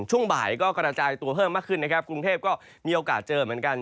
ช่วงบ่ายก็กระจายตัวเพิ่มมากขึ้นนะครับกรุงเทพก็มีโอกาสเจอเหมือนกัน